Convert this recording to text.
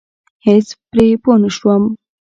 هېڅ پرې پوه نشوم.